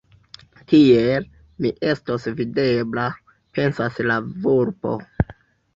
“Tiel, mi estos videbla!” pensas la vulpo.